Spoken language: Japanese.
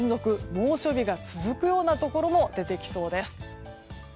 猛暑日が続くようなところも出てきそうです。